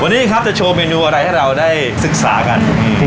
วันนี้ครับจะโชว์เมนูอะไรให้เราได้ศึกษากัน